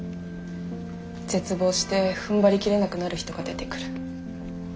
絶望してふんばり切れなくなる人が出てくる。